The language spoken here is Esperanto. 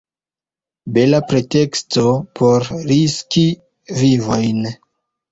Bela preteksto por riski vivojn!